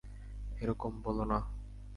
এরকম বলো না।